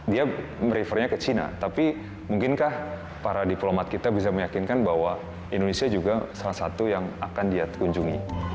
dia merifernya ke china tapi mungkinkah para diplomat kita bisa meyakinkan bahwa indonesia juga salah satu yang akan dia kunjungi